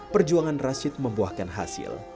perjuangan rashid membuahkan hasil